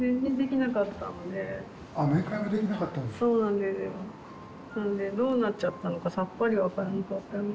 なのでどうなっちゃったのかさっぱり分からなかったので。